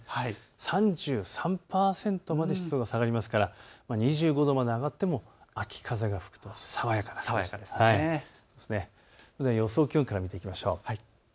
３３％まで湿度が下がりますから秋風が吹くと爽やか、予想気温から見ていきましょう。